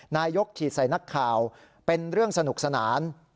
นายกฉีดใส่นักข่าวเป็นเรื่องสนุกสนาน